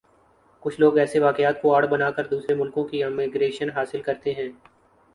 کُچھ لوگ ایسے واقعات کوآڑ بنا کردوسرے ملکوں کی امیگریشن حاصل کرتے ہیں